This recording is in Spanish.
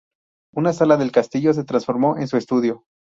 Una sala del castillo se transformó en su estudio.